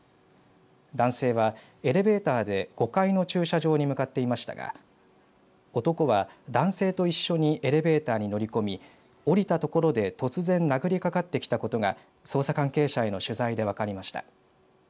男性はエレベーターで５階の駐車場に向かっていましたが男は男性と一緒にエレベーターに乗り込み降りたところで突然殴りかかってきたことが捜査関係者への取材で分かりました。